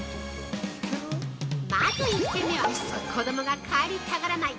まず１軒目は子どもが帰りたがらない！